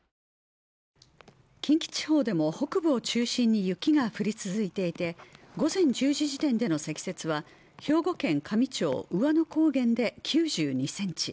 近畿地方でも北部を中心に雪が降り続いていて午前１０時時点での積雪は兵庫県香美町兎和野高原で９２センチ